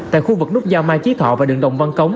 tại khu vực nút giao mai chí thọ và đường đồng văn cống